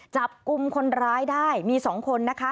จับกลุ่มคนร้ายได้มี๒คนนะคะ